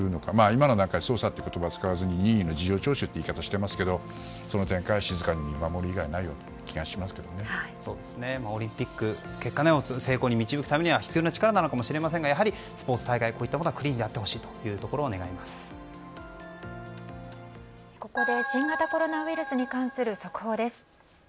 今の段階では捜査という言い方をしないで任意の事情聴取という言い方ですが静かに見守る以外ないオリンピックの結果成功に導くためには必要な力なのかもしれませんがスポーツ大会、こういったものはクリーンであってほしいとここで新型コロナウイルスに関する速報です。